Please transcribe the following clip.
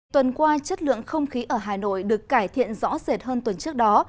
tuần qua chất lượng không khí ở hà nội được cải thiện rõ rệt hơn tuần trước đó